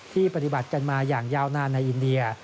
ปฏิบัติกันมาอย่างยาวนานในอินเดีย